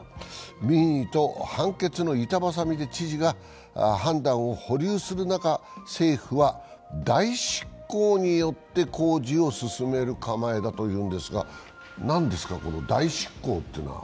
民意と判決の板挟みで知事が判断を保留する中、政府は代執行によって工事を進める構えだというんですが、何ですか、この代執行というのは？